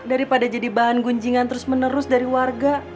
daripada jadi bahan gunjingan terus menerus dari warga